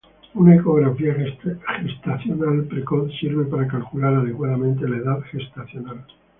Una ecografía gestacional precoz sirve para calcular adecuadamente la edad gestacional.